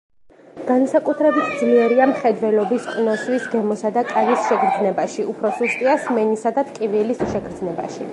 განსაკუთრებით ძლიერია მხედველობის, ყნოსვის, გემოსა და კანის შეგრძნებაში, უფრო სუსტია სმენისა და ტკივილის შეგრძნებაში.